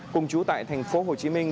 cùng chú tại thành phố hồ chí minh